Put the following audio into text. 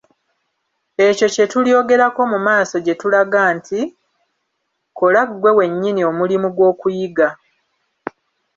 Ekyo kye tulyogerako mu maaso gye tulaga nti: Kolanga ggwe wennyini omulimu gw'okuyiga.